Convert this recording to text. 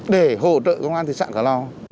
để hỗ trợ công an thị xã cửa lò